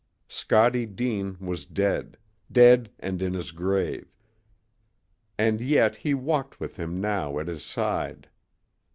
Scottie Deane was dead dead and in his grave, and yet he walked with him now at his side.